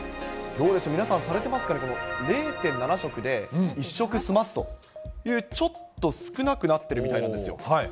どうでしょう、皆さん、されてますかね、０．７食で１食済ますという、ちょっと少なくなってるみたいなんですよ。